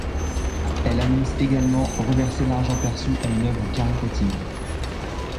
Elle annonce également reverser l'argent perçu à une œuvre caritative.